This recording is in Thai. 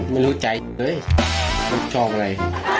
มันดูใจ